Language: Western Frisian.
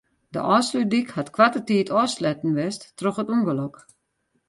De Ofslútdyk hat koarte tiid ôfsletten west troch it ûngelok.